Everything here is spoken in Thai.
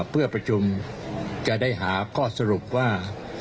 เพื่อประชุมจะได้หาข้อสรุปว่า